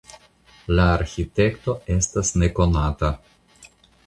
La arĥitekto estas nekonata.